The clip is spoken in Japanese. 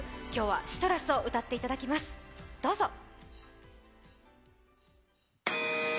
今日は「ＣＩＴＲＵＳ」を歌っていただけます、どうぞ。